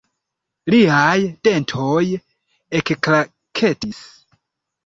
Liaj dentoj ekklaketis.